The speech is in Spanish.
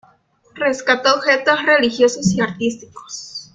Rescató objetos religiosos y artísticos.